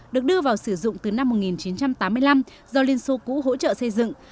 được đưa vào sử dụng từ năm một nghìn chín trăm tám mươi năm do liên xô cũ hỗ trợ xây dựng